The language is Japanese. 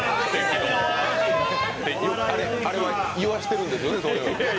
あれは言わしてるんですよね？